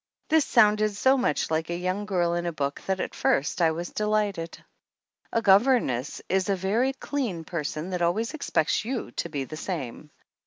This sounded so much like a young girl in a book that at first I was delighted. A governess is a very clean person that always expects you to be the same.